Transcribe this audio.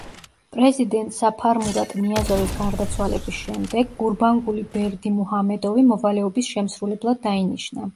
პრეზიდენტ საფარმურატ ნიაზოვის გარდაცვალების შემდეგ გურბანგული ბერდიმუჰამედოვი მოვალეობის შემსრულებლად დაინიშნა.